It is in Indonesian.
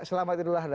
selamat idul adha